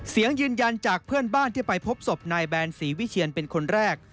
ยืนยันจากเพื่อนบ้านที่ไปพบศพนายแบนศรีวิเชียนเป็นคนแรก